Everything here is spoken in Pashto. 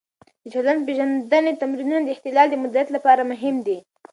د چلند-پېژندنې تمرینونه د اختلال د مدیریت لپاره مهم دي.